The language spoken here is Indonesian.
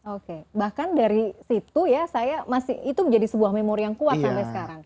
oke bahkan dari situ ya saya masih itu menjadi sebuah memori yang kuat sampai sekarang